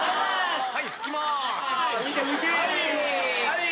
はい。